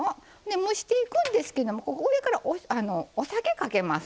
蒸していくんですけれども上からお酒、かけます。